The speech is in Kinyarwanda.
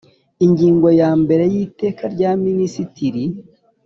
Ingingo ya mbere y Iteka rya Minisitiri